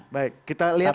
baik kita lihat